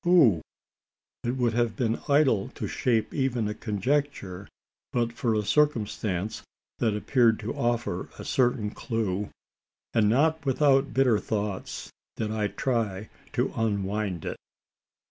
Who? It would have been idle to shape even a conjecture, but for a circumstance, that appeared to offer a certain clue; and, not without bitter thoughts, did I try to unwind it.